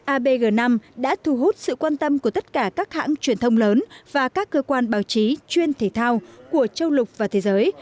abg năm đã thu hút sự quan tâm của tất cả các hãng truyền thông lớn và các cơ quan báo chí chuyên thể thao của châu lục và thế giới